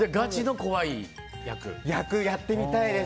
役やってみたいです。